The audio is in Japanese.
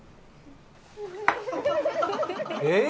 えっ？